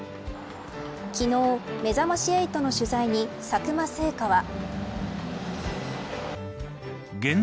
昨日、めざまし８の取材に佐久間製菓は。